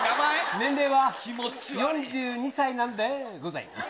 年齢は４２歳なんでございます。